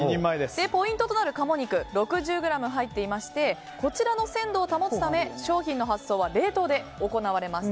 ポイントとなる鴨肉６０ｇ入っていましてこちらの鮮度を保つため商品の発送は冷凍で行われます。